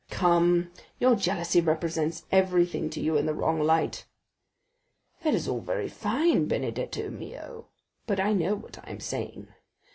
"Come, your jealousy represents everything to you in the wrong light." "That is all very fine, Benedetto mio, but I know what I am saying.